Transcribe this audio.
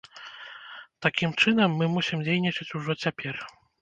Такім чынам, мы мусім дзейнічаць ужо цяпер.